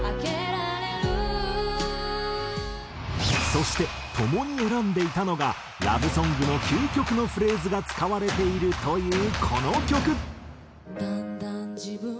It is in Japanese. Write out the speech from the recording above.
そしてともに選んでいたのがラブソングの究極のフレーズが使われているというこの曲。